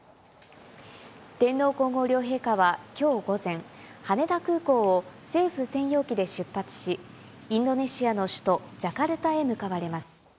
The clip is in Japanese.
天皇皇后両陛下は、きょう午前、羽田空港を政府専用機で出発し、インドネシアの首都ジャカルタへ向かわれます。